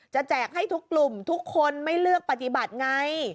แจกให้ทุกกลุ่มทุกคนไม่เลือกปฏิบัติไง